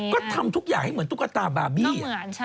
ก็ทำทุกอย่างให้เหมือนตุ๊กตาบาร์บี้